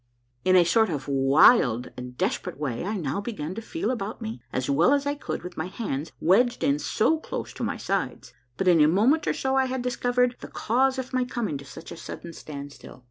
" In a sort of a wild and desperate way I now began to feel about A MARVELLOUS UNDERGROUND JOURNEY 39 me as well as I could with my hands wedged in so close to my sides, but in a moment or so I had discovered tlie cause of my coming to such a sudden standstill.